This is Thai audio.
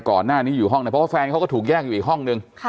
ก่อนหน้านี้อยู่ห้องเนี่ยเพราะว่าแฟนเขาก็ถูกแยกอยู่อีกห้องนึง